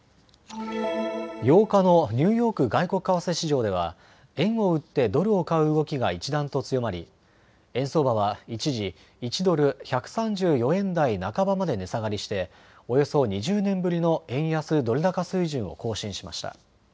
８日のニューヨーク外国為替市場では円を売ってドルを買う動きが一段と強まり円相場は一時、１ドル１３４円台半ばまで値下がりしておよそ２０年ぶりの円安ドル高水準を更新しました。